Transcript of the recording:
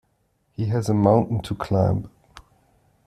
He has a mountain to climb